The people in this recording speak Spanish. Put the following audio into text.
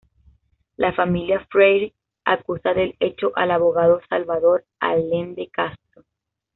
La familia Freyre acusa del hecho al abogado Salvador Allende Castro.